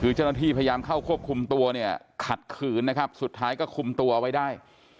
คือเจ้าหน้าที่พยายามเข้าควบคุมตัวเนี่ยขัดขืนนะครับสุดท้ายก็คุมตัวไว้ได้